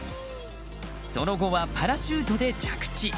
その後はパラシュートで着地。